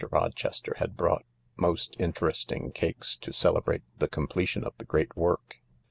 Rochester had brought most interesting cakes to celebrate the completion of the great work.